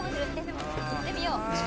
いってみよう。